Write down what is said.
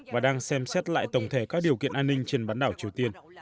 và đang xem xét lại tổng thể các điều kiện an ninh trên bán đảo triều tiên